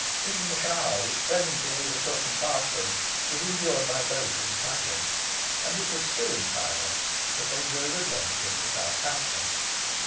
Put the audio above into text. Even the shower, which presently overtook and passed them, was endured by both in silence; and it was still in silence that they drove at length into Southampton.